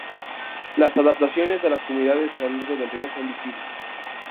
Las adaptaciones de las comunidades a lo largo del río son visibles.